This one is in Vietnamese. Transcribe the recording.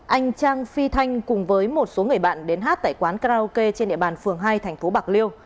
anh trang phi thanh cùng với một số người bạn đến hát tại quán karaoke trên địa bàn phường hai thành phố bạc liêu